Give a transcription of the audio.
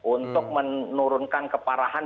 untuk menurunkan keparahan